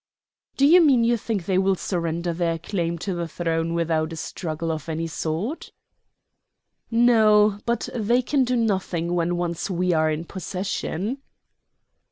"Do you mean you think they will surrender their claim to the throne without a struggle of any sort?" "No; but they can do nothing when once we are in possession."